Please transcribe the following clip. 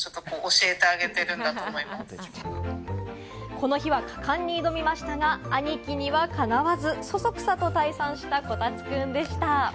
この日は果敢に挑みましたが、アニキにはかなわず、そそくさと退散した、こたつくんでした。